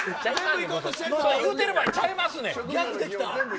言うてる場合ちゃいますねん。